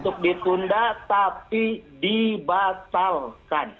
untuk ditunda tapi dibatalkan